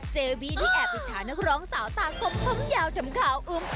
เจบีที่แอบอิจฉานักร้องสาวตากลมพร้อมยาวทำข่าวอุ้ม